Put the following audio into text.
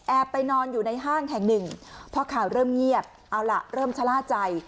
ไปนอนอยู่ในห้างแห่งหนึ่งพอข่าวเริ่มเงียบเอาล่ะเริ่มชะล่าใจ